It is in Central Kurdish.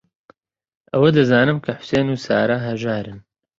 ئەوە دەزانم کە حوسێن و سارا ھەژارن.